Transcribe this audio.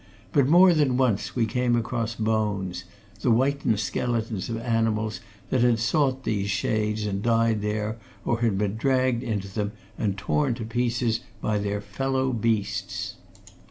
But more than once we came across bones the whitened skeletons of animals that had sought these shades and died there or had been dragged into them and torn to pieces by their fellow beasts.